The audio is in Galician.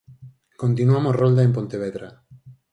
Continuamos rolda en Pontevedra.